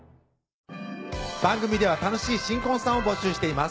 番組では楽しい新婚さんを募集しています